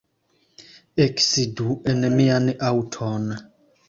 Eksidu en mian aŭton.